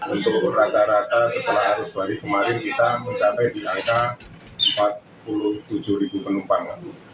untuk rata rata setelah arus balik kemarin kita mencapai di angka empat puluh tujuh penumpang